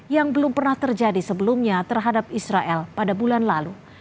yang belum pernah terjadi sebelumnya terhadap israel pada bulan lalu